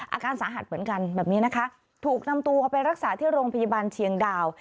อาการสาหัสเหมือนกันแบบนี้นะคะถูกนำตัวเขาไปรักษาที่โรงพยาบาลเชียงดาว